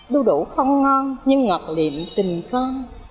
đu đủ không ngon nhưng ngọt liệm tình con